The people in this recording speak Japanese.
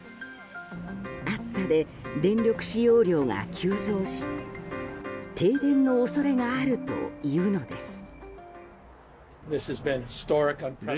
暑さで電力使用量が急増し停電の恐れがあるというのです。